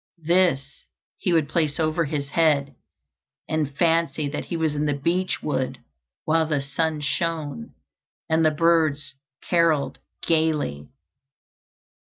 This he would place over his head, and fancy that he was in the beech wood while the sun shone, and the birds carolled gayly.